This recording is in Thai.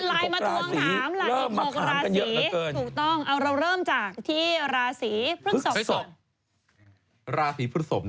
มีคนรายมาถ่วงถามรายของราศรีถูกต้องเราเริ่มจากที่ราศรีพฤศพก่อน